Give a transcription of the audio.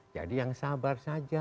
jadi yang sabar saja